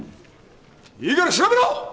いいから調べろ！